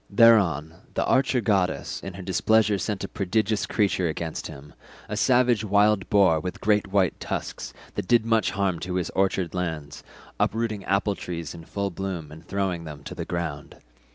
Thereon the archer goddess in her displeasure sent a prodigious creature against him—a savage wild boar with great white tusks that did much harm to his orchard lands, uprooting apple trees in full bloom and throwing them to the ground.